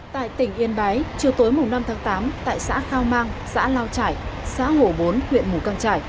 tại tỉnh yên bái chiều tối năm tháng tám tại xã khao mang xã lao trải xã hổ bốn huyện mù căng trải